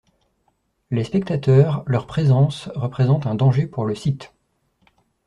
Les spectateurs, leur présence représente un danger pour le site.